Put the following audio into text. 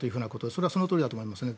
それはそのとおりだと思いますね。